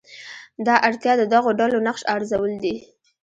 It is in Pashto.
دا اړتیا د دغو ډلو نقش ارزول دي.